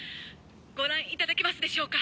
「ご覧いただけますでしょうか？